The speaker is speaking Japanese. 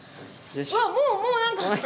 うわっもうもう何か。